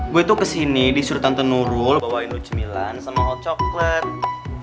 gue tuh kesini disuruh tante nurul bawain lo cemilan sama hot chocolate